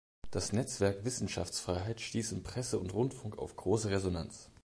Das Netzwerk Wissenschaftsfreiheit stieß in Presse und Rundfunk auf große Resonanz.